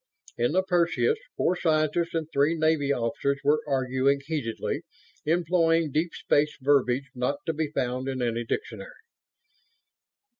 In the Perseus, four scientists and three Navy officers were arguing heatedly; employing deep space verbiage not to be found in any dictionary.